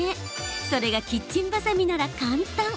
それがキッチンバサミなら簡単。